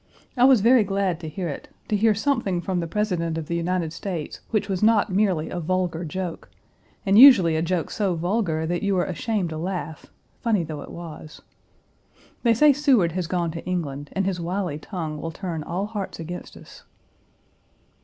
I was very glad to hear it to hear something from the President of the United States which was not merely a vulgar joke, and usually a joke so vulgar that you were ashamed to laugh, funny though it was. They say Seward has gone to England and his wily tongue will turn all hearts against us.